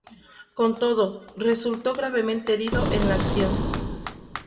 Con todo, resultó gravemente herido en la acción.